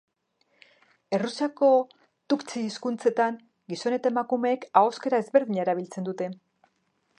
Errusiako txuktxi hizkuntzetan gizon eta emakumeek ahoskera ezberdina erabiltzen dute.